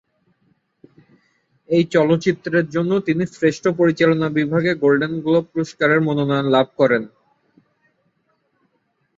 এই চলচ্চিত্রের জন্য তিনি শ্রেষ্ঠ পরিচালনা বিভাগে গোল্ডেন গ্লোব পুরস্কারের মনোনয়ন লাভ করেন।